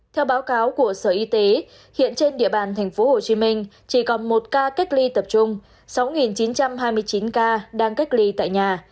theo báo cáo của sở y tế hiện trên địa bàn tp hcm chỉ còn một ca cách ly tập trung sáu chín trăm hai mươi chín ca đang cách ly tại nhà